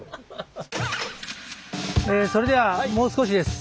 それではもう少しです。